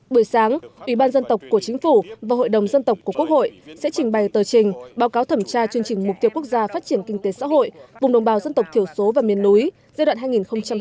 buổi sáng ủy ban dân tộc của chính phủ và hội đồng dân tộc của quốc hội sẽ trình bày tờ trình báo cáo thẩm tra chương trình mục tiêu quốc gia phát triển kinh tế xã hội vùng đồng bào dân tộc thiểu số và miền núi giai đoạn hai nghìn hai mươi một hai nghìn ba mươi